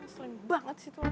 sling banget sih itu orang